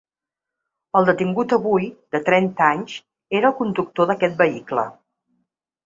El detingut avui, de trenta anys, era el conductor d’aquest vehicle.